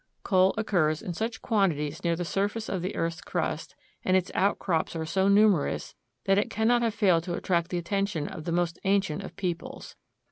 Coal occurs in such quantities near the surface of the earth's crust and its outcrops are so numerous that it cannot have failed to attract the attention of the most ancient of peoples.